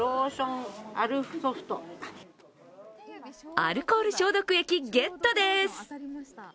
アルコール消毒液ゲットです！